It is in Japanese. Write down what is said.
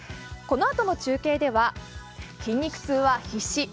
このあとの中継では「筋肉痛は必至！？